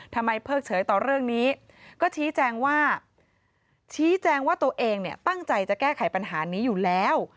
ทำไมเพิ่งเฉยต่อเรื่องนี้ก็ชี้แจงว่าตัวเองตั้งใจจะแก้ไขปัญหานี้อยู่แล้ว